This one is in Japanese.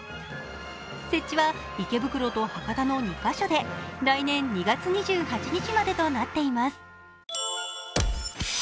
設置は池袋と博多の２カ所で、来年２月２８日までとなっています。